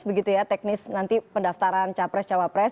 begitu ya teknis nanti pendaftaran capres cawapres